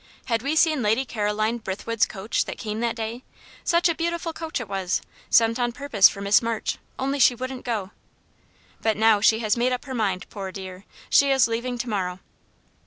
Had we seen Lady Caroline Brithwood's coach that came that day? Such a beautiful coach it was! sent on purpose for Miss March only she wouldn't go. "But now she has made up her mind, poor dear. She is leaving to morrow."